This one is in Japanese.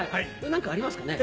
何かありますかね？